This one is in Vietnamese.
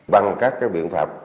bằng các biện pháp